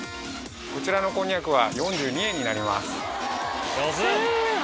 こちらのこんにゃくは４２円になります。